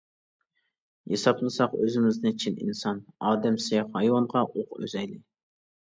ھېسابلىساق ئۆزىمىزنى چىن ئىنسان، ئادەم سىياق ھايۋانغا ئوق ئۈزەيلى.